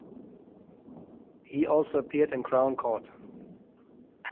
He also appeared in Crown Court.